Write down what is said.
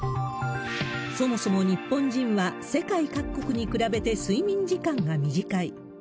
そもそも日本人は、世界各国に比べて睡眠時間が短い。